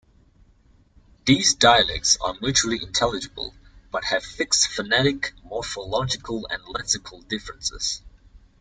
These dialects are mutually intelligible, but have fixed phonetic, morphological and lexical differences.